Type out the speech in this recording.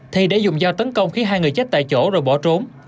thì để dùng dao tấn công khi hai người chết tại chỗ rồi bỏ trốn